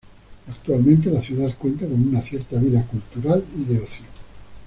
Actualmente la ciudad cuenta con una cierta vida cultural y de ocio.